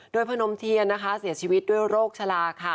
โดยพนมเทียนเสียชีวิตด้วยโรคชะลา